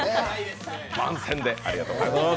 番宣でありがとうございます！